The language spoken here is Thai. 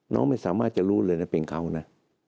น้องไม่สามารถจะรู้เลยนะเป็นเขานะ